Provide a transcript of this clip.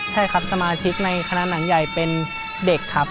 ใช่ครับสมาชิกในคณะหนังใหญ่เป็นเด็กครับ